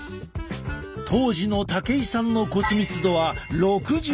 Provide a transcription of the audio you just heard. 当時の武井さんの骨密度は６８％。